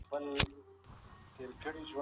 تاسو د مېوو د ساتنې لپاره سړه خونه جوړه کړئ.